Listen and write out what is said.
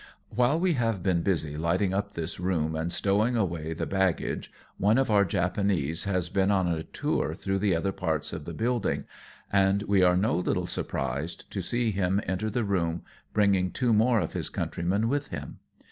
While we have been busy lighting up this room and stowing away the baggage, one of our Japanese has been on a tour through the other parts of the building, and we are no little surprised to see him enter the room, bringing two more of his countrymen with him.